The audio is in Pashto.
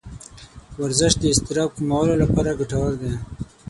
ورزش د اضطراب کمولو لپاره ګټور دی.